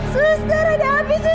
suster ada api suster